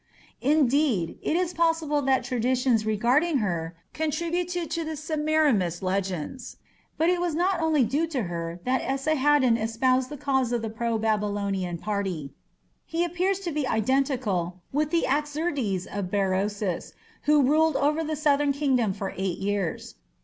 Indeed, it is possible that traditions regarding her contributed to the Semiramis legends. But it was not only due to her that Esarhaddon espoused the cause of the pro Babylonian party. He appears to be identical with the Axerdes of Berosus, who ruled over the southern kingdom for eight years.